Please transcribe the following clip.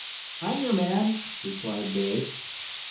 "I'm your man," replied Dave.